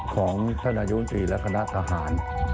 ของธนยุนตรีและคณะทหาร